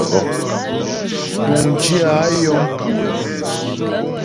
Túŋdyə̂ a yɔm.